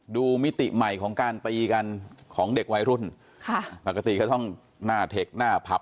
มิติใหม่ของการตีกันของเด็กวัยรุ่นค่ะปกติเขาต้องหน้าเทคหน้าผับ